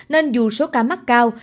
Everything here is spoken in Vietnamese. nên dù số ca mắc cao